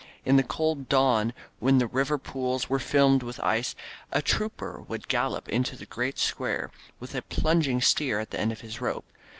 In the cold dawn, when the river pools were filmed with ice, a trooper would gallop into the great square with a plunging steer at the end of his rope.